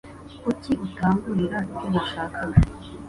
Kuki utangurira ibyo nashakaga?